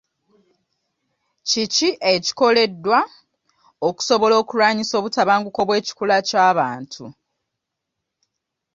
Kiki ekikoleddwa okusobola okulwanyisa obutabanguko obw'ekikula ky'abantu.